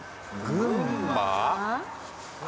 群馬？